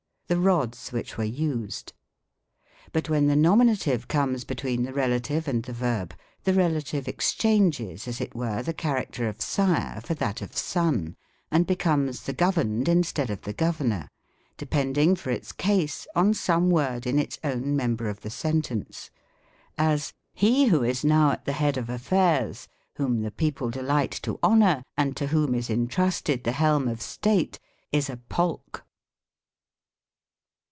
" The rods which were used." But when the nominative comes between the relative and the verb, the relative exchanges, as it were, the character of sire for that of sou, and becomes the gov erned instead of the governor ; depending for its case on some word in its own member of the sentence : as, '' He who is now at the head oi' affairs, whom the people delight to honor, and to whom is intrusted the helm of state — is a Polk.